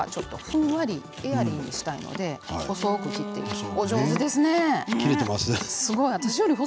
今日はふんわりエアリーにしたいので細く切っていきます。